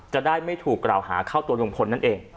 จะได้ไม่ถูกกล่าวหาเข้าตัวลุงพลนั่นเอง